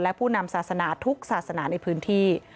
และผู้นำศาสนาทุกศาสนาในพื้นที่